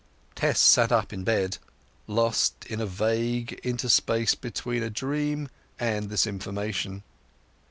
Tess sat up in bed, lost in a vague interspace between a dream and this information.